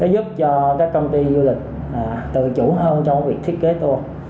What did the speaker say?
giúp cho các công ty du lịch tự chủ hơn trong việc thiết kế tour